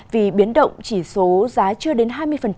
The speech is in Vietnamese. vì biến động chỉ số giá chưa đến hai mươi